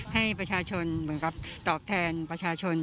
ให้ประชาชนเหมือนกับตอบแทนประชาชน